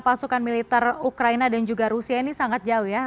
pasukan militer ukraina dan juga rusia ini sangat jauh ya